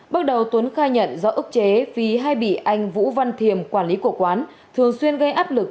bước đầu tuấn khai nhận do ức chế vì hai bị anh vũ văn thiềm quản lý của quán thường xuyên gây áp lực